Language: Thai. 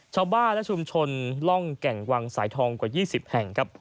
ชาวบ้านและชุมชนร่องแก่งวังสายทองกว่า๒๐แห่งครับ